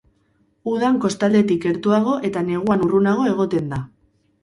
Udan kostaldetik gertuago eta neguan urrunago egoten da.